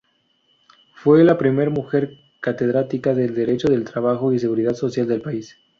Fue la primera mujer Catedrática de Derecho del Trabajo y Seguridad Social del país.